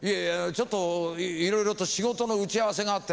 ちょっといろいろと仕事の打ち合わせがあって。